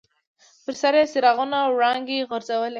پر سر یې څراغونو وړانګې غورځولې.